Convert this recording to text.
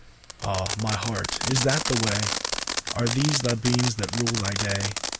Ah my Heart, is that the way? Are these the Beames that rule thy Day?